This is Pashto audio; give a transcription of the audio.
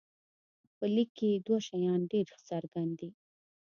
په لیک کې دوه شیان ډېر څرګند دي.